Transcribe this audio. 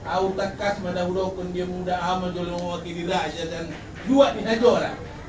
au takas mada rupan dia muda amat jorokinan wati dirasa dan jua di nagora